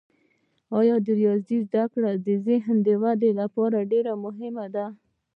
د ریاضي زده کړه د ذهني ودې لپاره ډیره مهمه ده.